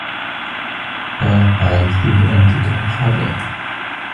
ما فعلتيهِ أنتِ كان خاطئاً.